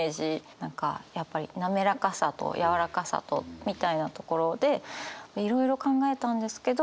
何かやっぱり滑らかさと柔らかさとみたいなところでいろいろ考えたんですけど最終的にやっぱりプリンだなって。